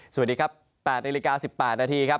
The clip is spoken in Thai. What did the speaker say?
สวัสดีครับ๘นาฬิกา๑๘นาทีครับ